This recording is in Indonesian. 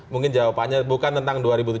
mungkin jawabannya bukan tentang